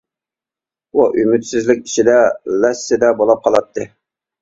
ئۇ ئۈمىدسىزلىك ئىچىدە لاسسىدە بولۇپ قالاتتى.